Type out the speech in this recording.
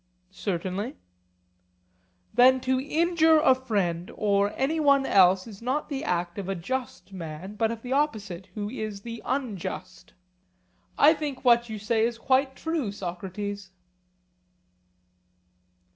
Certainly. Then to injure a friend or any one else is not the act of a just man, but of the opposite, who is the unjust? I think that what you say is quite true, Socrates.